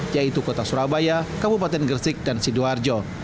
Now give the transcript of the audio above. yaitu kota surabaya kabupaten gresik dan sidoarjo